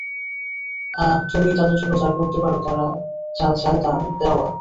তুমি তাদের জন্য যা করতে পারো, তারা যা চায় তা দেওয়া।